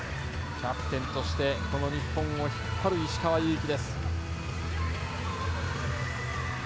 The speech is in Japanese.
キャプテンとしてこの日本を引っ張る石川祐希。